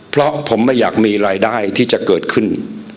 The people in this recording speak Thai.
เพราะผมไม่อยากมีรายได้ที่จะเกิดขึ้น